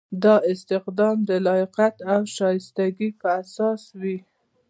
دا استخدام د لیاقت او شایستګۍ په اساس وي.